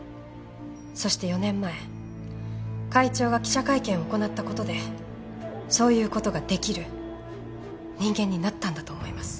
そして４年前会長が記者会見を行った事でそういう事ができる人間になったんだと思います。